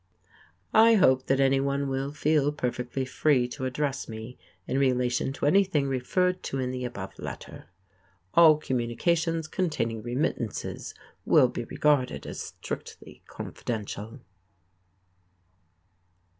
I hope that any one will feel perfectly free to address me in relation to anything referred to in the above letter. All communications containing remittances will be regarded as strictly confidential.